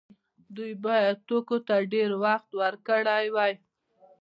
دوی باید توکو ته ډیر وخت ورکړی وای.